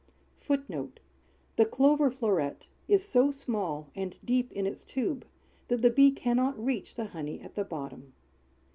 FOOTNOTES: [Footnote 1: The clover floret is so small and deep in its tube, that the bee cannot reach the honey at the bottom.